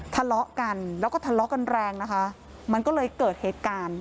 ทะเลาะกันแล้วก็ทะเลาะกันแรงนะคะมันก็เลยเกิดเหตุการณ์